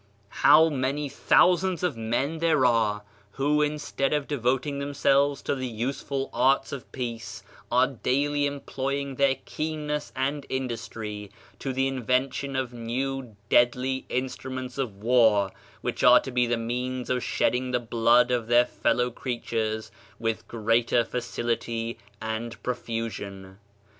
How many thousands of men there are who, instead of devoting themselves to the useful arts of peace, are daily employing their keenness and industry to the invention of new dead ly instruments of war, which are to be the means of shedding the blood of their fellow creatures with greater facility and profusion!